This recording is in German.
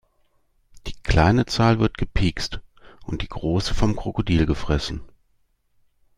Die kleine Zahl wird gepikst und die große vom Krokodil gefressen.